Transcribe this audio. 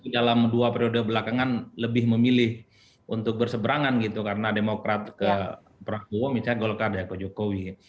dalam dua periode belakangan lebih memilih untuk berseberangan gitu karena demokrat ke prabowo misalnya golkar ke jokowi